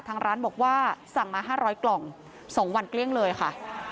ทางร้านบอกว่าสั่งมา๕๐๐กล่อง๒วันเกลี้ยงเลยค่ะ